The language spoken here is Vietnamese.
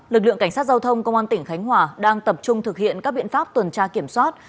lực lượng cảnh sát giao thông công an tỉnh khánh hòa đang tập trung thực hiện các biện pháp tuần tra kiểm soát